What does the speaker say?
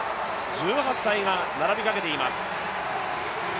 １８歳が並びかけています。